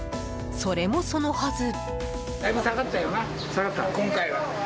それもそのはず。